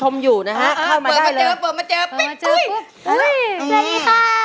ก่อนมา